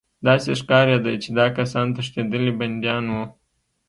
داسې ښکارېده چې دا کسان تښتېدلي بندیان وو